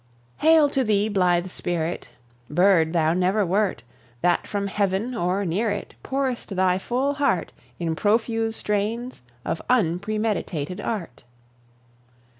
Hail to thee, blithe spirit Bird thou never wert That from heaven or near it Pourest thy full heart In profuse strains of unpremeditated art.